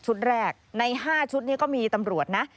แรกใน๕ชุดนี้ก็มีตำรวจนะ